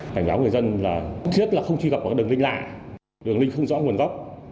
cảnh báo người dân là không truy cập vào đường linh lại đường linh không rõ nguồn gốc